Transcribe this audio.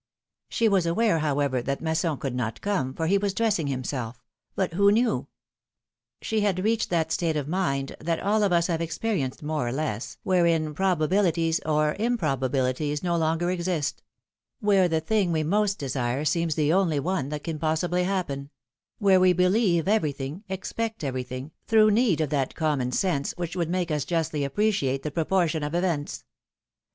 She was aware, however, that Masson could not come, for he was dressing himself — but who knew ? She had reached that state of mind, that all of us have experienced more or less, wherein probabilities or improbabilities no longer exist; where the thing we most desire seems the only one that can possibly happen ; where we believe everything, ex pect everything, through need of that common sense which would make us justly appreciate the proportion of events.